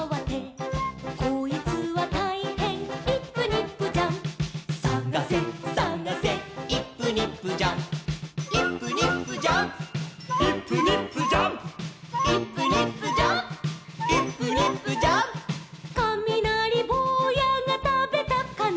「こいつはたいへんイップニップジャンプ」「さがせさがせイップニップジャンプ」「イップニップジャンプイップニップジャンプ」「イップニップジャンプイップニップジャンプ」「かみなりぼうやがたべたかな」